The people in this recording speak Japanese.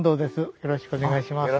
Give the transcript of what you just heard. よろしくお願いします。